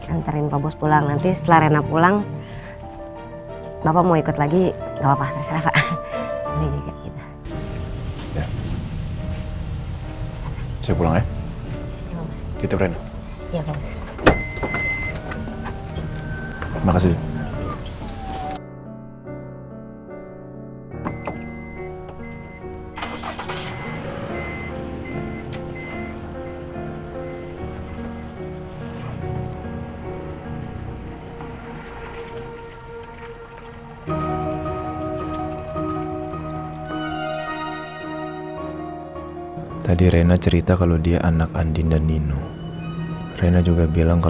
anterin pak bos pulang nanti setelah reina pulang